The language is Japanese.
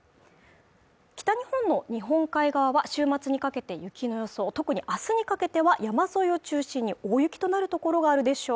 北日本の日本海側は週末にかけて雪の予想特にあすにかけては山沿いを中心に大雪となる所があるでしょう